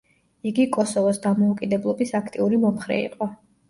იგი კოსოვოს დამოუკიდებლობის აქტიური მომხრე იყო.